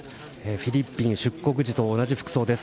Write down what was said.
フィリピン出国時と同じ服装です。